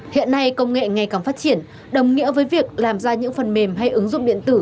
hiện nay công nghệ ngày càng phát triển đồng nghĩa với việc làm ra những phần mềm hay ứng dụng điện tử